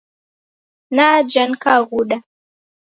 Naja nikaghuda.